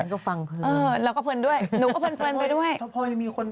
มันก็ฟังเพลิน